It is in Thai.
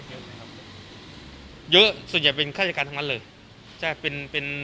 เยอะส่วนใหญ่เป็นทางนั้นเลยใช่เป็นเป็นเป็นทางนั้นเลยใช่เป็น